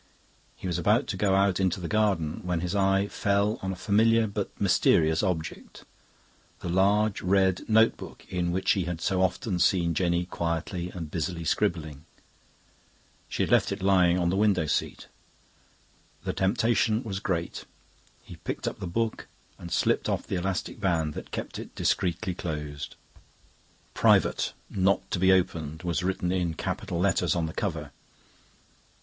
He was about to go out into the garden when his eye fell on a familiar but mysterious object the large red notebook in which he had so often seen Jenny quietly and busily scribbling. She had left it lying on the window seat. The temptation was great. He picked up the book and slipped off the elastic band that kept it discreetly closed. "Private. Not to be opened," was written in capital letters on the cover.